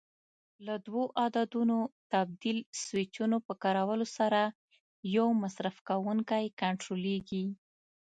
له دوو عددونو تبدیل سویچونو په کارولو سره یو مصرف کوونکی کنټرولېږي.